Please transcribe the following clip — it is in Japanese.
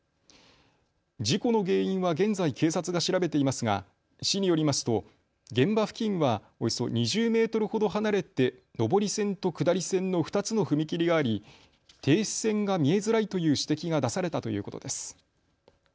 事故の原因は現在、警察が調べていますが市によりますと現場付近はおよそ２０メートルほど離れて上り線と下り線の２つの踏切があり停止線が見えづらいという指摘が出されたということです。